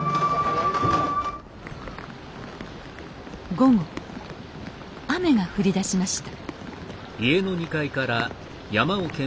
午後雨が降りだしました